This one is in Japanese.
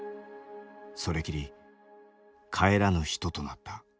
それきり帰らぬ人となった。